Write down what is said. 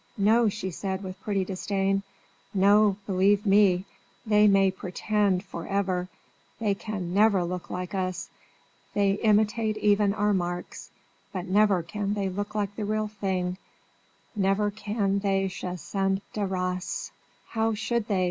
"No," she said, with pretty disdain; "no, believe me, they may 'pretend' forever. They can never look like us! They imitate even our marks, but never can they look like the real thing, never can they chassent de race." "How should they?"